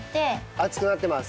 熱くなってます。